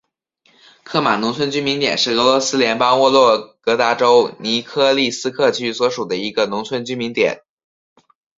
克马农村居民点是俄罗斯联邦沃洛格达州尼科利斯克区所属的一个农村居民点。